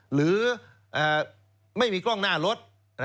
หรือไม่มีกล้องหน้ารถ